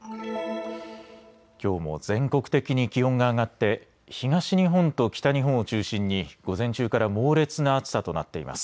きょうも全国的に気温が上がって東日本と北日本を中心に午前中から猛烈な暑さとなっています。